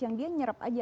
yang dia nyerap aja